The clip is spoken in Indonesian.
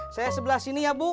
saya sebelah sini ya bu